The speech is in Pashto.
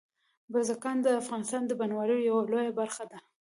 بزګان د افغانستان د بڼوالۍ یوه لویه برخه ده.